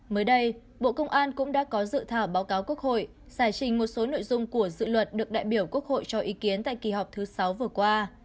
mới đây bộ công an cũng đã có dự thảo báo cáo quốc hội giải trình một số nội dung của dự luật được đại biểu quốc hội cho ý kiến tại kỳ họp thứ sáu vừa qua